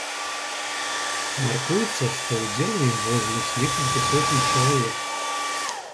Мяркуецца, што ўдзел у ім возьмуць некалькі соцень чалавек.